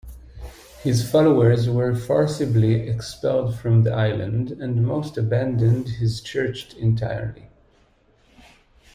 His followers were forcibly expelled from the island, and most abandoned his church entirely.